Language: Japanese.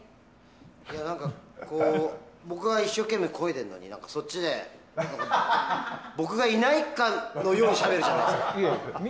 何かこう僕が一生懸命こいでるのにそっちで、僕がいないかのようなしゃべりするじゃないですか。